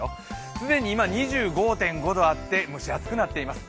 既に今２５．５度あって蒸し暑くなっています。